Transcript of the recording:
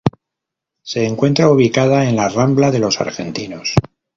Se encuentra ubicada en la Rambla de los Argentinos.